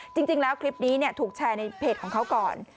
จริงแล้วคลิปนี้ถูกแชร์ในเพจของเขาก่อน